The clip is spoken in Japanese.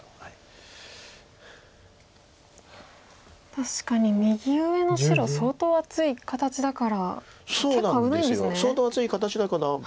確かに右上の白相当厚い形だから結構危ないんですね。